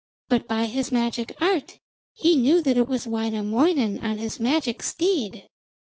But by his magic art he knew that it was Wainamoinen on his magic steed.